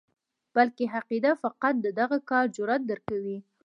بلکې عقیده فقط د دغه کار جرأت درکوي.